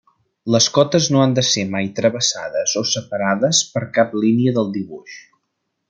Les cotes no han de ser mai travessades o separades per cap línia del dibuix.